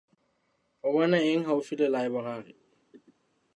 O bona eng haufi le laeborari?